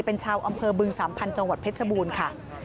เป็นชาวอำเภอบึงสามพันธ์จังหวัดเพชรบูรณ์ค่ะ